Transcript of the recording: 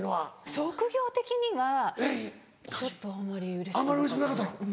職業的にはちょっとあんまりうれしくなかったです。